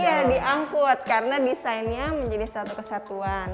iya diangkut karena desainnya menjadi satu kesatuan